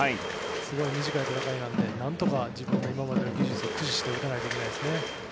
すごい短い戦いなのでなんとか自分の今までの技術を駆使して打たないといけないですね。